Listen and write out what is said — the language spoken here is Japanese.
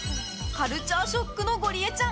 カルチャーショックのゴリエちゃん。